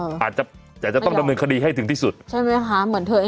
อาจจะแต่จะต้องดำเนินคดีให้ถึงที่สุดใช่ไหมคะเหมือนเธอ